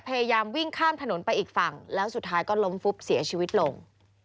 พยายามวิ่งข้ามถนนไปอีกฝั่งแล้วสุดท้ายก็ล้มฟุบเสียชีวิตลง